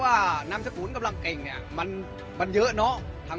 ว่าหนำสกุลกำลังเก่งเนี่ยมันมันเยอะเนอะทาง